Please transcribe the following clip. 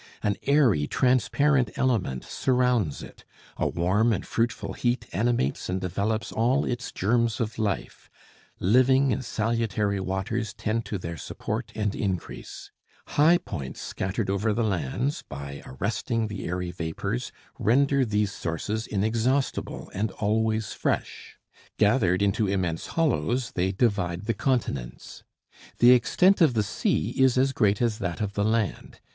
An airy transparent element surrounds it; a warm and fruitful heat animates and develops all its germs of life; living and salutary waters tend to their support and increase; high points scattered over the lands, by arresting the airy vapors, render these sources inexhaustible and always fresh; gathered into immense hollows, they divide the continents. The extent of the sea is as great as that of the land.